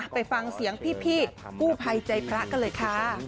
ไปฟังเสียงพี่กู้ภัยใจพระกันเลยค่ะ